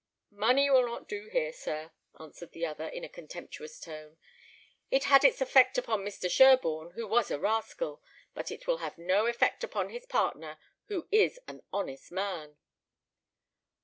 "Money will not do, here, sir," answered the other, in a contemptuous tone; "it had its effect upon Mr. Sherborne, who was a rascal; but it will have no effect upon his partner, who is an honest man."